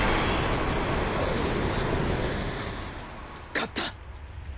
勝った！